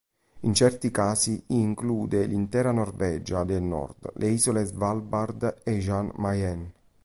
In certi casi include l'intera Norvegia del Nord, le isole Svalbard e Jan Mayen.